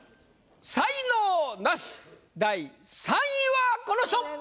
才能ナシ第３位はこの人！